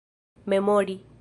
memori